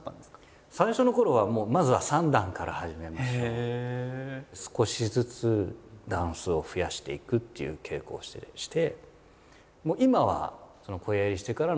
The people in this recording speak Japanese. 最初のころは少しずつ段数を増やしていくっていう稽古をして。